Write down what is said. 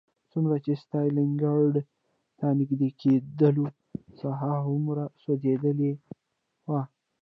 څومره چې ستالینګراډ ته نږدې کېدلو ساحه هغومره سوځېدلې وه